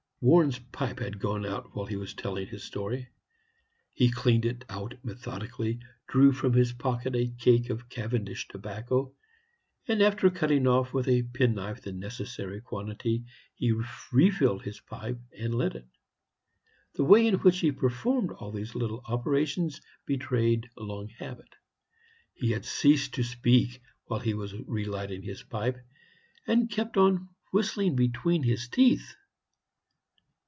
Warren's pipe had gone out while he was telling his story. He cleaned it out methodically, drew from his pocket a cake of Cavendish tobacco, and, after cutting off with a penknife the necessary quantity, refilled his pipe and lit it. The way in which he performed all these little operations betrayed long habit. He had ceased to speak while he was relighting his pipe, and kept on whistling between his teeth.